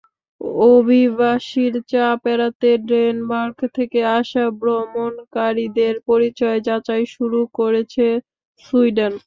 অভিবাসীর চাপ এড়াতে ডেনমার্ক থেকে আসা ভ্রমণকারীদের পরিচয় যাচাই শুরু করেছে সুইডেন।